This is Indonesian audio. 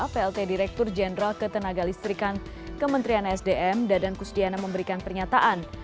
plt direktur jenderal ketenaga listrikan kementerian sdm dadan kusdiana memberikan pernyataan